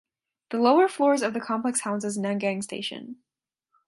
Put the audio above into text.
The lower floors of the complex houses Nangang station.